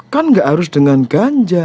kan nggak harus dengan ganja